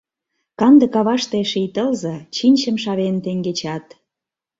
Канде каваште ший тылзе Чинчым шавен теҥгечат.